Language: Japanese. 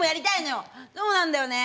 そうなんだよね。